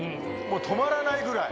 止まらないぐらい？